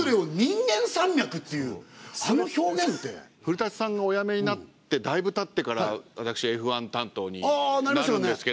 古さんがお辞めになってだいぶたってから私Ｆ１担当になるんですけど。